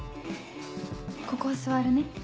ここ座るね。